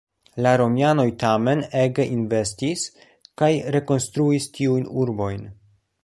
La Romianoj tamen ege investis, kaj rekonstruis tiujn urbojn.